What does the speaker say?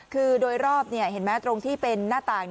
คือโดยรอบเห็นไหมตรงที่เป็นหน้าต่าง